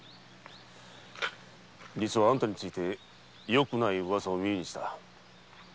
実はあんたについてよくないウワサを耳にした。